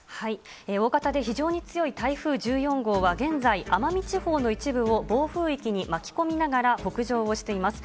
大型で非常に強い台風１４号は現在、奄美地方の一部を暴風域に巻き込みながら、北上をしています。